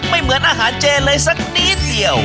เหมือนอาหารเจเลยสักนิดเดียว